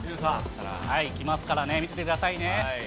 いきますからね、見ててくださいね。